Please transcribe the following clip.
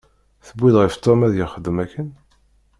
Tewwi-d ɣef Tom ad yexdem akken?